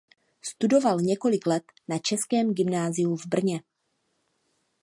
Studoval několik let na českém gymnáziu v Brně.